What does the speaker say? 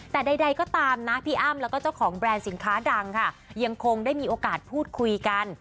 แต่ใดก็ตามนะพี่อ้ำแล้วก็เจ้าของแบรนด์สินค้าดังค่ะยังคงได้มีโอกาสพูดคุยกัน